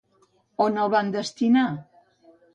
On el van destinar?